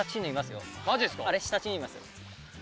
あれ下チヌいますよ。